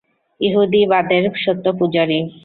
ইহুদীবাদের সত্য পূজারী।